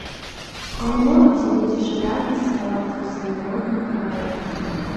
А ў моладзі будзе жаданне заставацца ў сваім родным краі.